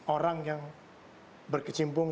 orang yang berkecimpung